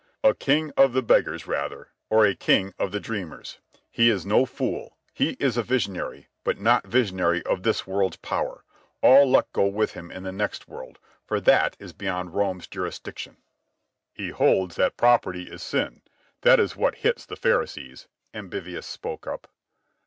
"A king of the beggars, rather; or a king of the dreamers. He is no fool. He is visionary, but not visionary of this world's power. All luck go with him in the next world, for that is beyond Rome's jurisdiction." "He holds that property is sin—that is what hits the Pharisees," Ambivius spoke up.